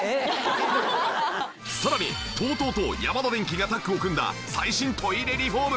さらにＴＯＴＯとヤマダデンキがタッグを組んだ最新トイレリフォーム！